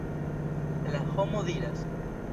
La homo diras.